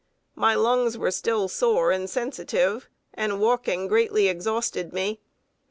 My lungs were still sore and sensitive, and walking greatly exhausted me.